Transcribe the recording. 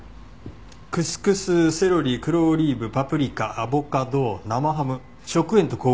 クスクスセロリ黒オリーブパプリカアボカド生ハム食塩と麹。